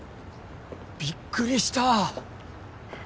びっくりした！